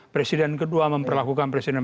presiden kedua memperlakukan presiden